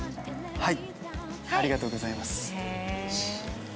はい。